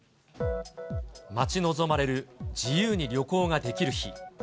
待ち望まれる自由に旅行ができる日。